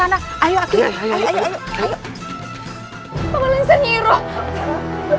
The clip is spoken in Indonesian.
tidak mungkin terkena prabu